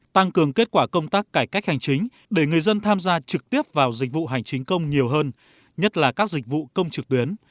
tăng cường kết quả công tác cải cách hành chính để người dân tham gia trực tiếp vào dịch vụ hành chính công nhiều hơn nhất là các dịch vụ công trực tuyến